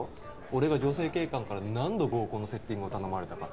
俺が女性警官から何度合コンのセッティングを頼まれたか